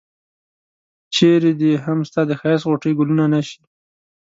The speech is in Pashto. چرې دي هم ستا د ښایست غوټۍ ګلونه نه شي.